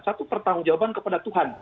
satu pertanggung jawaban kepada tuhan